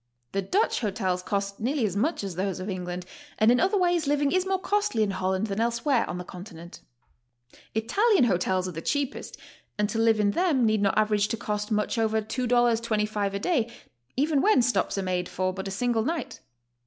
The Dutch hotels cost nearly as much as those of England, and in other ways living is more costly in Holland than elsewhere on the Continent. Italian hotels are the cheapest, and to live in them need not average to cost much over $2.25 a day, even when stops are made for but a single night.